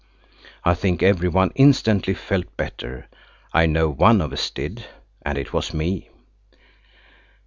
I think every one instantly felt better. I know one of us did, and it was me.